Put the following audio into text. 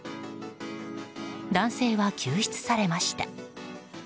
男性は救出されました。